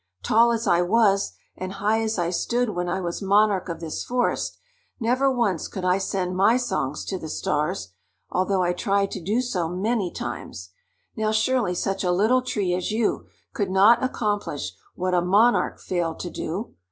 Tall as I was, and high as I stood when I was monarch of this forest, never once could I send my songs to the Stars, although I tried to do so many times. Now surely such a little tree as you could not accomplish what a monarch failed to do!